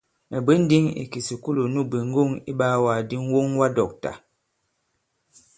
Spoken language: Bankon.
Mɛ̀ bwě ǹndǐŋ ì kìsùkulù nu bwě ŋgɔ̂ŋ iɓaawàgàdi ŋ̀woŋwadɔ̂ktà.